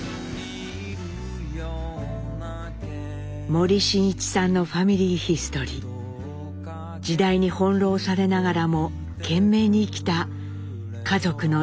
森進一さんの「ファミリーヒストリー」時代に翻弄されながらも懸命に生きた家族の歳月がありました。